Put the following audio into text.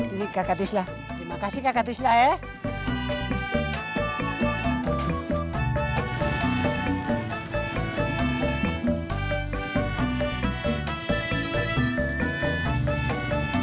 ini kakak tislah terima kasih kakak tisto ya